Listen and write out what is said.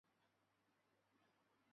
嘉庆三年主讲于明月里云峰书院。